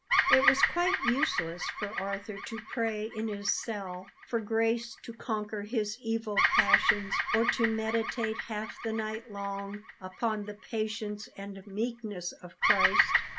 It was quite useless for Arthur to pray in his cell for grace to conquer his evil passions, or to meditate half the night long upon the patience and meekness of Christ.